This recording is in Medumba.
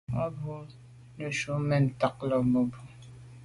A bwô neju’ men ntag là mebwô.